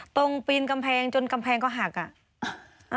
ปีนกำแพงจนกำแพงก็หักอ่ะ